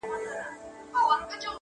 څوك وتلى په شل ځله تر تلك دئ-